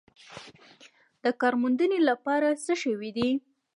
د کار موندنې لپاره څه شوي دي؟